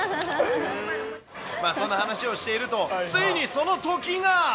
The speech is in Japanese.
そんな話をしていると、ついにその時が。